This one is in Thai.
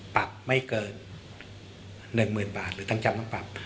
ปรับไม่เกิน๑๐๐๐บาทหรือทั้งจำทั้งปรับ